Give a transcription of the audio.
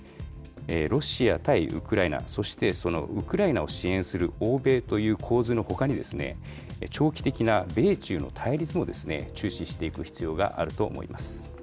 ロシア対ウクライナ、そしてそのウクライナを支援する欧米という構図のほかに、長期的な米中の対立も注視していく必要があると思います。